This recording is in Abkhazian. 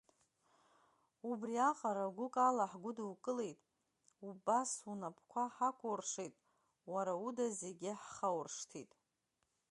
Убри аҟара гәык ала ҳагудукылеит, убас унапқәа ҳакәуршеит, уара уда зегьы ҳхауршҭит…